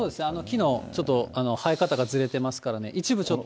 木のちょっと、生え方がずれてますからね、一部ちょっと。